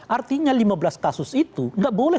artinya lima belas kasus itu nggak boleh